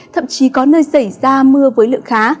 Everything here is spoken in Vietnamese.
thậm chí có nơi xảy ra mưa với lượng khá